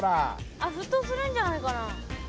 あっ沸騰するんじゃないかな？